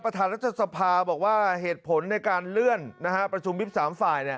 ประธานราชสภาบอกว่าเหตุผลในการเลื่อนประชุมวิทย์๓ฝ่าย